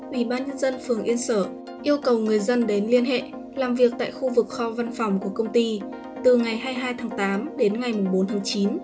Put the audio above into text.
ubnd phường yên sở yêu cầu người dân đến liên hệ làm việc tại khu vực kho văn phòng của công ty từ ngày hai mươi hai tháng tám đến ngày bốn tháng chín